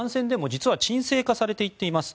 実は鎮静化されていっています。